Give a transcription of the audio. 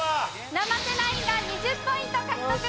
生瀬ナインが２０ポイント獲得です！